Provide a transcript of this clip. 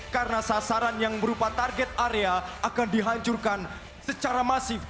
karena sasaran yang merupakan target area akan dihancurkan secara masif